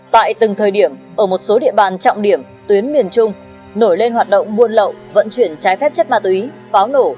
tại từng thời điểm ở một số địa bàn trọng điểm tuyến miền trung nổi lên hoạt động buôn lậu vận chuyển trái phép chất ma túy pháo nổ